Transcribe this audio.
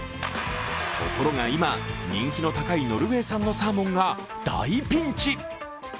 ところが今、人気の高いノルウェー産のサーモンが大ピンチ。